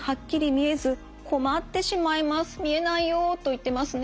見えないよと言ってますね。